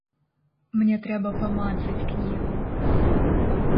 Мне трэба памацаць кнігу.